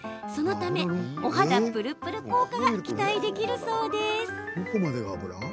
そのため、お肌ぷるぷる効果が期待できるそうです。